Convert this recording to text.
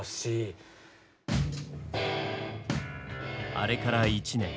あれから１年。